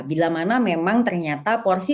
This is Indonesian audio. bila mana memang ternyata porsi